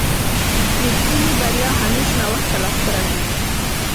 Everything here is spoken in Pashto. رښتينې بريا همېش ناوخته لاسته راځي.